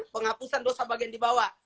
penghapusan dosa bagian di bawah